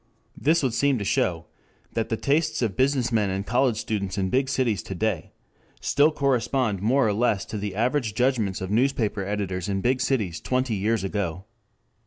This would seem to show that the tastes of business men and college students in big cities to day still correspond more or less to the averaged judgments of newspaper editors in big cities twenty years ago.